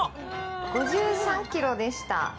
５３キロでした。